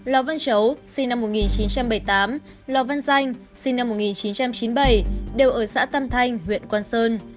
lò văn chấu lò văn danh đều ở xã tam thanh huyện quan sơn